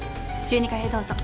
１２階へどうぞ。